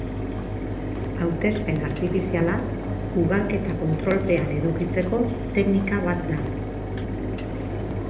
Hautespen artifiziala, ugalketa kontrolpean edukitzeko teknika bat da.